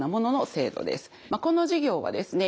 まあこの事業はですね